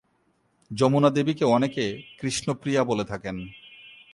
যমুনা দেবীকে অনেকে কৃষ্ণ প্রিয়া বলে থাকেন।